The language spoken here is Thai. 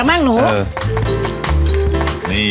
ให้รู้สิ